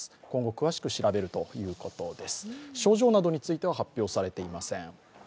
今後、詳しく調べるということです症状などについては発表されていません。